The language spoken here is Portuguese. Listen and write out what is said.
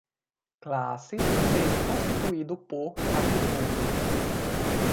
classe, sendo constituído por atributos